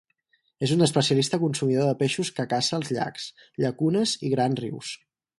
És un especialista consumidor de peixos que caça als llacs, llacunes i grans rius.